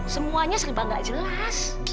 semuanya serba nggak jelas